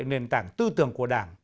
nền tảng tư tưởng của đảng